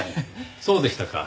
そうでしたか。